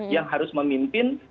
yang harus memimpin